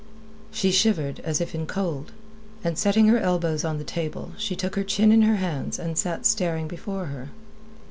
She shivered, as if cold, and setting her elbows on the table, she took her chin in her hands, and sat staring before her.